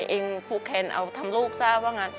พูดง่ายเองผู้แขนเอาทำลูกซะว่างั้น